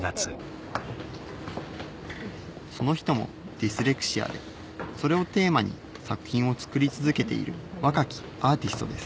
その人もディスレクシアでそれをテーマに作品を作り続けている若きアーティストです